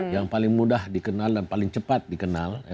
yang paling mudah dikenal dan paling cepat dikenal